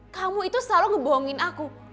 kamu itu selalu ngebongin aku